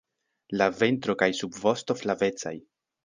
La ventro kaj subvosto flavecaj.